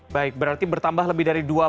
baik berarti bertambah lebih dari dua puluh